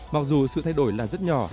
mặc dù sự thay đổi là rất nhỏ